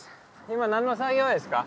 今何の作業ですか？